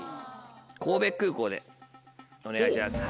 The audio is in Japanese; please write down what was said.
神戸空港でお願いします。